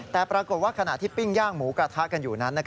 แต่ปรากฏว่าขณะที่ปิ้งย่างหมูกระทะกันอยู่นั้น